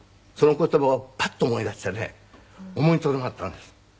その言葉をパッと思い出してね思いとどまったんです。